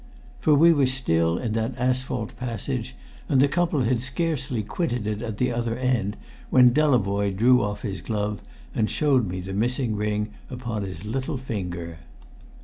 For we were still in that asphalt passage, and the couple had scarcely quitted it at the other end, when Delavoye drew off his glove and showed me the missing ring upon his little finger.